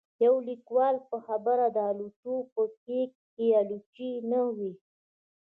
د يو ليکوال په خبره د آلوچو په کېک کې آلوچې نه وې